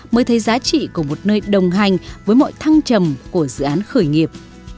mới thấy giá trị của một nơi đồng hành với mọi thăng trầm của dự án khởi nghiệp